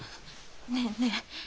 ねえねえ。